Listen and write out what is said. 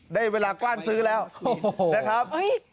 ได้เวลากล้านซื้อแล้วนะครับ